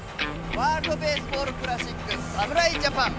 ワールド・ベースボール・クラシック、侍ジャパン。